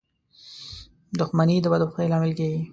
• دښمني د بدبختۍ لامل کېږي.